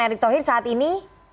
erick thohir saat ini